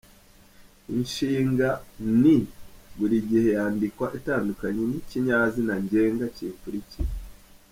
Inshinga “ni” buri gihe yandikwa itandukanye n’ikinyazina ngenga kiyikurikiye.